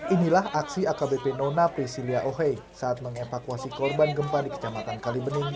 inilah aksi akbp nona prisilia ohe saat mengevakuasi korban gempa di kecamatan kalibening